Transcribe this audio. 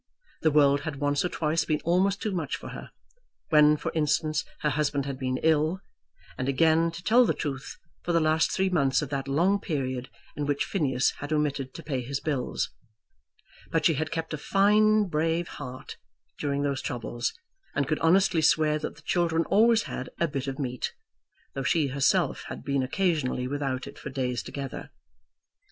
The world had once or twice been almost too much for her, when, for instance, her husband had been ill; and again, to tell the truth, for the last three months of that long period in which Phineas had omitted to pay his bills; but she had kept a fine brave heart during those troubles, and could honestly swear that the children always had a bit of meat, though she herself had been occasionally without it for days together.